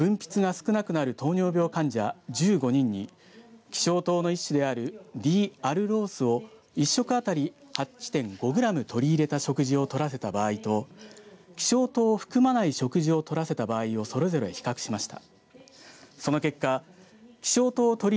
研究では、血糖値を下げるインスリンの分泌が少なくなる糖尿病患者１５人に希少糖の一種であるＤ‐アルロースを１食当たり８．５グラム取り入れた食事をとらせた場合と希少糖を含まない食事を取らせた場合をそれぞれ比較しました。